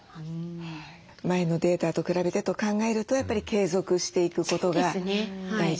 前のデータと比べてと考えるとやっぱり継続していくことが大事という。